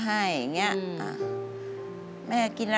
หยุดเดี่ยวผมก็ไม่มี